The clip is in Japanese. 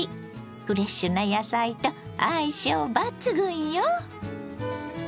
フレッシュな野菜と相性抜群よ。